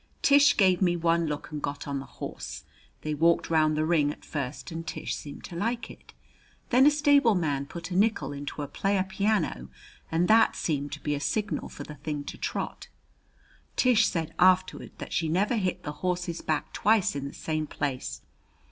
Tish gave me one look and got on the horse. They walked round the ring at first and Tish seemed to like it. Then a stableman put a nickel into a player piano and that seemed to be a signal for the thing to trot. Tish said afterward that she never hit the horse's back twice in the same place.